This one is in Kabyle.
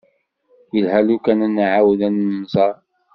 Yelha lukan ad nεawed ad nemẓer.